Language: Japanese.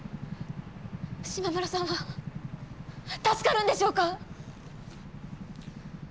島村さんは助かるんでしょうか？